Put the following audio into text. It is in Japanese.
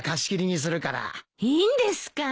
いいんですか？